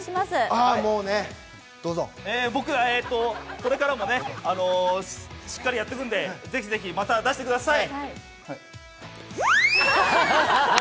これからもしっかりやっていくんでぜひぜひ、また出してください。